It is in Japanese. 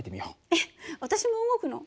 えっ私も動くの？